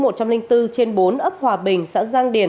trên bốn ấp hòa bình xã giang điển